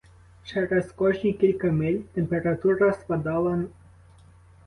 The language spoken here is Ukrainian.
Через кожні кілька миль температура спадала.